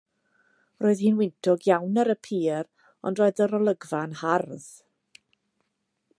Roedd hi'n wyntog iawn ar y pier, ond roedd yr olygfa yn hardd.